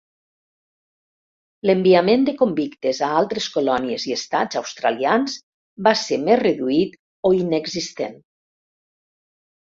L'enviament de convictes a altres colònies i estats australians va ser més reduït o inexistent.